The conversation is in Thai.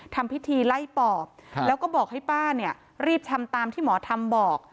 ทำพิธีไล่ปอบแล้วก็บอกให้ป้าเนี่ยรีบทำตามที่หมอทำบอก